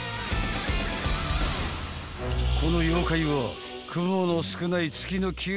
［この妖怪は雲の少ない］